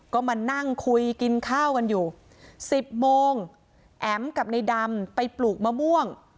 ก็มานั่งคุยกินข้าวกันอยู่๑๐โมงแอ๋มกับในดำไปปลูกมะม่วง